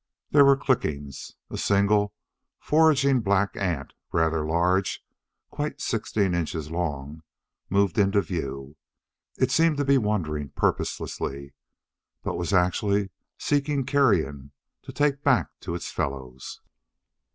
There were clickings. A single, foraging black ant rather large, quite sixteen inches long moved into view. It seemed to be wandering purposelessly, but was actually seeking carrion to take back to its fellows.